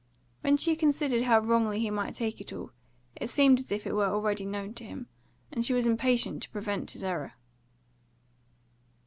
When she considered how wrongly he might take it all, it seemed as if it were already known to him, and she was impatient to prevent his error.